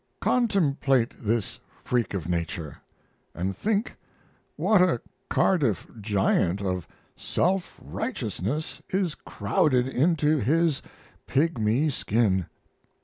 Contemplate this freak of nature, and think what a Cardiff giant of self righteousness is crowded into his pigmy skin.